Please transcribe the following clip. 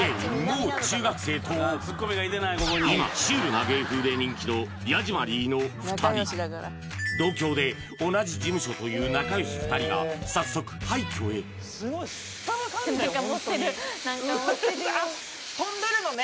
もう中学生と今シュールな芸風で人気のヤジマリー。の２人同郷で同じ事務所という仲良し２人が早速廃墟へスゴいすっからかんだよ